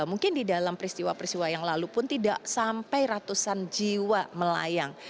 mungkin di dalam peristiwa peristiwa yang lalu pun tidak sampai ratusan jiwa melayang